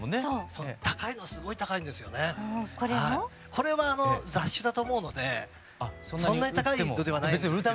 これはあの雑種だと思うのでそんなに高いのではないんですけれども。